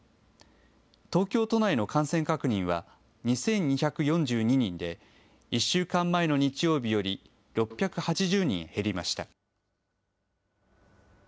東京都内の感染確認は２２４２人で、１週間前の日曜日より６８０人減りました。